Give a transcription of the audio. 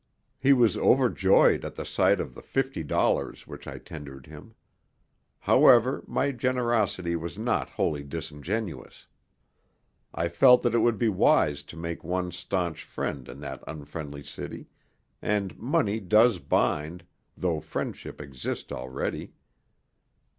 He was overjoyed at the sight of the fifty dollars which I tendered him. However, my generosity was not wholly disingenuous. I felt that it would be wise to make one stanch friend in that unfriendly city; and money does bind, though friendship exist already.